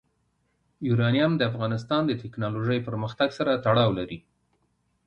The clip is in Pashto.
یورانیم د افغانستان د تکنالوژۍ پرمختګ سره تړاو لري.